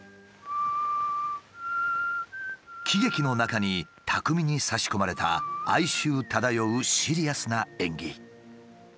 喜劇の中に巧みに差し込まれた哀愁漂うシリアスな演技。